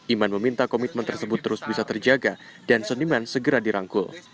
iman meminta komitmen tersebut terus bisa terjaga dan seniman segera dirangkul